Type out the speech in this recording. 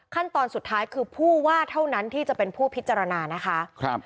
ขั้นตอนสุดท้ายคือผู้ว่าเท่านั้นที่จะเป็นผู้พิจารณานะคะ